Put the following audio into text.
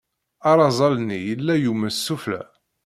Arazal-nni yella yumes sufella.